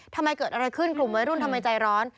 ทำไมเกิดอะไรขึ้นกลุ่มวัยรุ่นทำไมใจร้อน